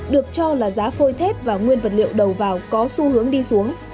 được cho là giá phôi thép và nguyên vật liệu đầu vào có xu hướng đi xuống